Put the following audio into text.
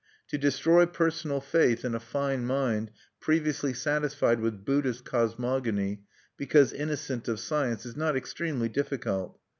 To destroy personal faith in a fine mind previously satisfied with Buddhist cosmogony, because innocent of science, is not extremely difficult.